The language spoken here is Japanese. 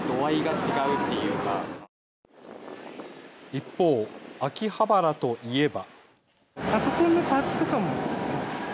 一方、秋葉原といえば。